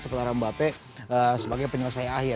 sebenarnya mbappe sebagai penyelesaian akhir